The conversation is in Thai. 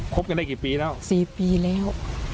บกันได้กี่ปีแล้ว๔ปีแล้ว